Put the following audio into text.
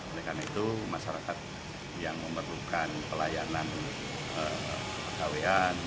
oleh karena itu masyarakat yang memerlukan pelayanan kepegawaian